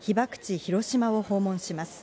・広島を訪問します。